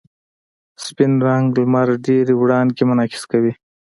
سپین رنګ د لمر ډېرې وړانګې منعکس کوي.